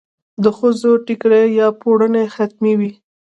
د ښځو ټیکری یا پړونی حتمي وي.